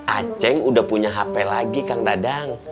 aceh udah punya hp lagi kang dadang